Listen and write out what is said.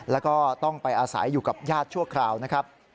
แล้วก็ต้องไปอาศัยอยู่กับญาติชั่วคราวนะครับ